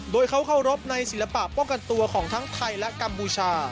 โดยเขาเคารพในศิลปะป้องกันตัวของทั้งไทยและกัมพูชา